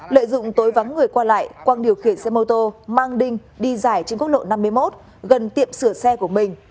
lợi dụng tối vắng người qua lại quang điều khiển xe mô tô mang đinh đi giải trên quốc lộ năm mươi một gần tiệm sửa xe của mình